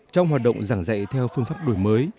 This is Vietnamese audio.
trong hoạt động giảng dạy theo phương pháp đổi mới